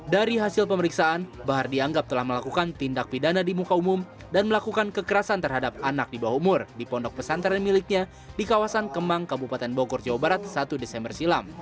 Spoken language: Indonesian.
dari hasil pemeriksaan bahar dianggap telah melakukan tindak pidana di muka umum dan melakukan kekerasan terhadap anak di bawah umur di pondok pesantren miliknya di kawasan kemang kabupaten bogor jawa barat satu desember silam